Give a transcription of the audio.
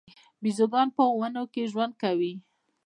بیزوګان په ونو کې ژوند کوي